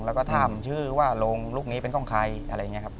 แล้วก็ถามชื่อว่าโรงลูกนี้เป็นของใครอะไรอย่างนี้ครับ